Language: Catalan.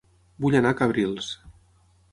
Vull anar a Cabrils